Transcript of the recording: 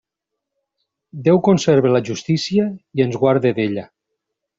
Déu conserve la justícia i ens guarde d'ella.